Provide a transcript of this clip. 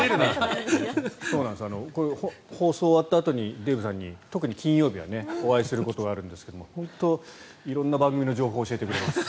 放送終わったあとにデーブさんに特に金曜日はお会いすることがあるんですが本当に色んな番組の情報を教えてくれます。